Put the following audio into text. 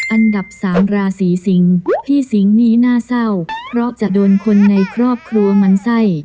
อันดับสามราศีสิงพี่สิงหนี้น่าเศร้าเพราะจะโดนคนในครอบครัวมันไส้